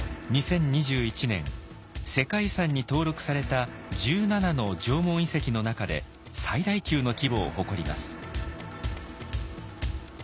２０２１年世界遺産に登録された１７の縄文遺跡の中で最大級の規模を誇ります。